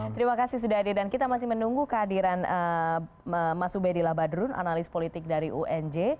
terima kasih sudah hadir dan kita masih menunggu kehadiran mas ubedi labadrun analis politik dari unj